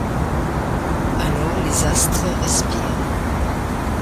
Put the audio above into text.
Alors les astres respirent.